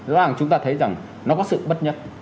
rõ ràng chúng ta thấy rằng nó có sự bất nhất